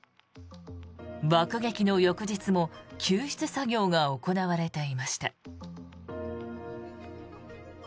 爆撃の翌日も救出作業が行われていました。